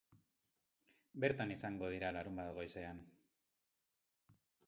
Bertan izango dira larunbat goizean.